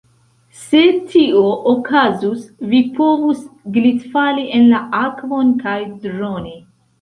Se tio okazus, vi povus glitfali en la akvon kaj droni.